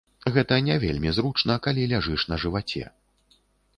Гэта не вельмі зручна, калі ляжыш на жываце.